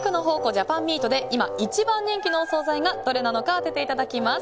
ジャパンミートで今、一番人気のお総菜がどれなのか当てていただきます。